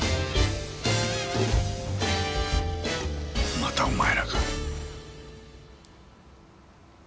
またお前らか。